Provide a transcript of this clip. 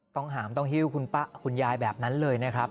หามต้องหิ้วคุณป้าคุณยายแบบนั้นเลยนะครับ